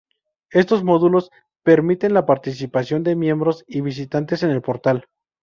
Estos módulos permiten la participación de miembros y visitantes en el portal.